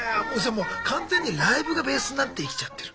完全にライブがベースになって生きちゃってる。